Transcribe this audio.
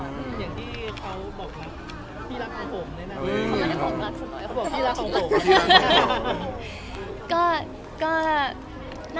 อย่างที่เขาบอกพี่รักของผมด้วยนะ